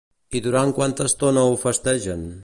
I durant quanta estona ho festegen?